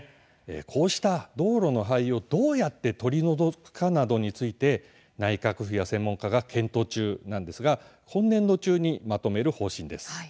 こうした道路の灰をどうやって取り除くかなどについて内閣府や専門家が検討中なんですが今年度中にまとめる方針です。